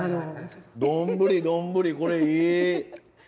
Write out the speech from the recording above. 丼丼これいい！